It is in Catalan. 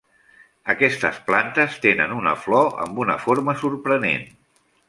Aquestes plantes tenen una flor amb una forma sorprenent.